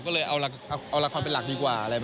ก็เลยเอาละครเป็นหลักดีกว่าอะไร